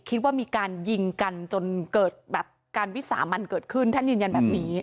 คิดว่ามีการยิงกันจนเกิดแบบการวิสามันเกิดขึ้นท่านยืนยันแบบนี้